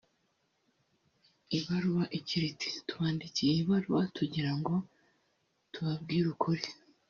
Ibaruwa igira iti “Tubandikiye iyi baruwa tugira ngo tubabwire ukuri